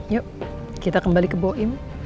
yuk kita kembali ke boim